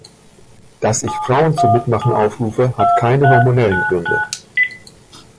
Dass ich Frauen zum Mitmachen aufrufe, hat keine hormonellen Gründe.